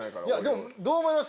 でもどう思います？